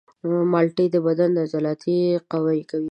مالټې د بدن عضلات قوي کوي.